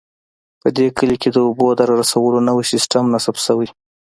په دې کلي کې د اوبو د رارسولو نوی سیسټم نصب شوی